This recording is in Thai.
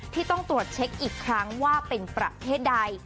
ต้องตรวจเช็คอีกครั้งว่าเป็นประเทศใด